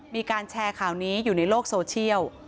มีการแชร์ข่าวนี้อยู่ในโลกโซเชียล